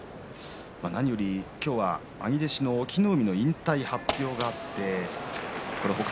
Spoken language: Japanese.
何より今日は兄弟子の隠岐の海の引退発表があって北勝